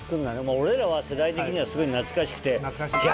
俺らは世代的にはすごい懐かしくて。